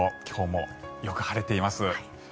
今日もよく晴れています。